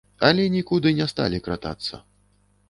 Але нікуды не сталі кратацца.